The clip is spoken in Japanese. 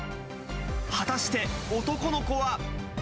果たして男の子は。